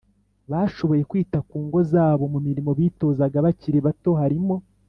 bashoboye kwita ku ngo zabo. Mu mirimo bitozaga bakiri bato harimo